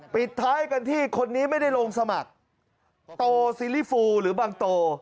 ปิดท้ายกันที่คนนี้ไม่ได้ลงสมัครโตซีรีสูหรือบางโต